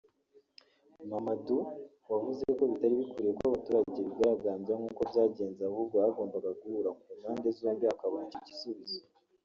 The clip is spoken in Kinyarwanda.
Mamadou wavuze ko bitari bikwiriye ko abaturage bigaragambya nkuko byagenze ahubwo hagombaga guhura ku mpande zombi hakaboneka igisubizo